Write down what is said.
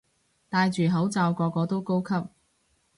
戴住口罩個個都高級